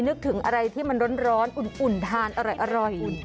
นึกถึงอะไรที่มันร้อนอุ่นทานอร่อย